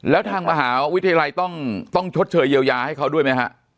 แล้วทางมหาวิทยาลัยต้องชดเชยเยียวยาให้เขาด้วยไหมฮะ